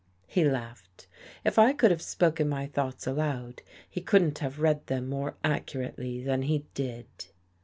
He laughed. If I could have spoken my thoughts aloud, he couldn't have read them more accurately than he did.